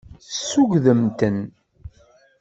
Tessugdem-ten.